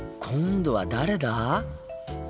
今度は誰だ？